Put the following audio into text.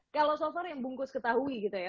kalau so far yang bungkus ketahui gitu ya